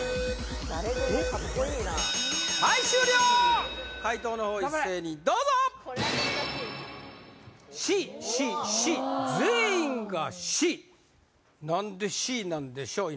はい終了解答のほう一斉にどうぞＣＣＣ全員がＣ何でＣなんでしょう？